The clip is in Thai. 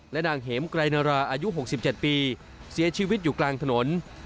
นางเหมไกรนาราอายุ๖๗ปีเสียชีวิตอยู่กลางถนน